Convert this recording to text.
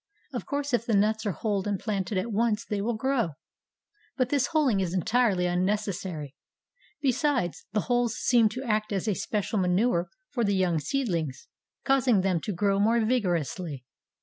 Of course if the nuts are hulled and planted at once they will grow; but this hulling is entirely unnecessary. Besides, the hulls seem to act as a special manure for the young seedlings, causing them to grow more vigorously.